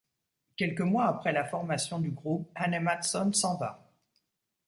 Quelques mois après la formation du groupe, Hanne Mattson s'en va.